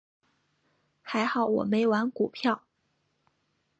还好我没玩股票。